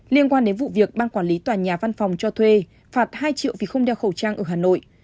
liên quan đến vụ việc ban quản lý tòa nhà văn phòng cho thuê phạt hai triệu vì không đeo khẩu trang ở hà nội